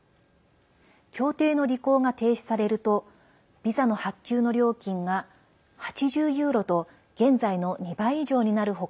協定の履行が停止されるとビザの発給の料金が８０ユーロと現在の２倍以上になる他